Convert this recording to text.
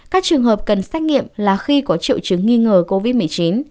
các trường hợp cần xét nghiệm là khi có triệu chứng nghi ngờ covid một mươi chín